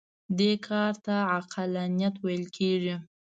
دې کار ته عقلانیت ویل کېږي.